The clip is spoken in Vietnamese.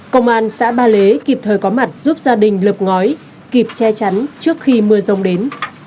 công an xã ba lế kịp thời có mặt giúp gia đình lập ngói kịp che chắn trước khi mưa rông đến